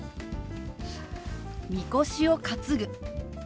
「みこしを担ぐ」。